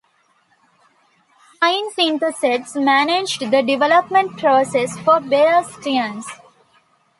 Hines Interests managed the development process for Bear Stearns.